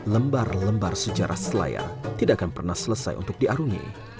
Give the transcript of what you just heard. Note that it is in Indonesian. lembar lembar sejarah selayar tidak akan pernah selesai untuk diaruni